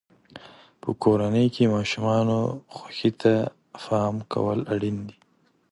په کورنۍ کې د ماشومانو خوښۍ ته پام کول اړین دي.